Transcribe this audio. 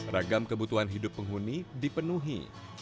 ragam kebutuhan hidup penghuni dipenuhi